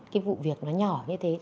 cái vụ việc nó nhỏ như thế